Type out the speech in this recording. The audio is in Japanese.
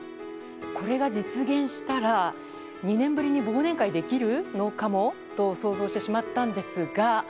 これが実現したら２年ぶりに忘年会できるのかもと想像してしまったんですが。